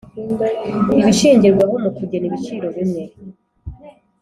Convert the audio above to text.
ibishingirwaho mu kugena ibiciro bimwe